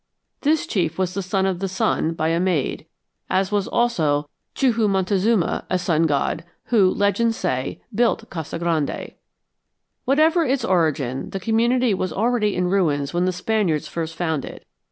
This chief was the son of the Sun by a maid, as was also Tcuhu Montezuma, a sun god who, legends say, built Casa Grande." Whatever its origin, the community was already in ruins when the Spaniards first found it.